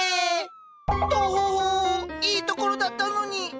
トホホいいところだったのに！